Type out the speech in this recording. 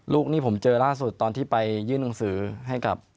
ลูกนี่ผมเจอล่าสุดตอนที่ไปยื่นหนังสือให้กับ